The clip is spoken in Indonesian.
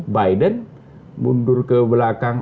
biden mundur ke belakang